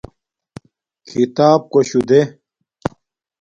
کھیتاپ کوشو دے